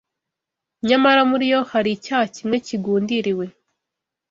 nyamara muri yo hari icyaha kimwe kigundiriwe